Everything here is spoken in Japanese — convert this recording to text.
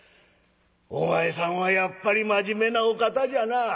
お前さんはやっぱり真面目なお方じゃなあ。